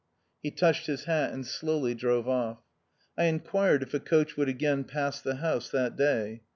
He touched his hat and slowly drove off. I inquired if a coach would again pass the house that day.